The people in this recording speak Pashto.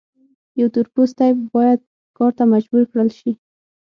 یو تور پوستی باید کار ته مجبور کړل شي.